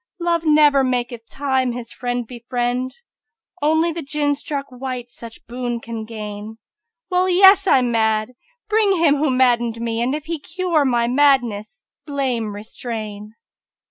Love never maketh Time his friend befriend; * Only the Jinn struck wight such boon can gain: Well! yes, I'm mad: bring him who madded me * And, if he cure m: madness, blame restrain!'"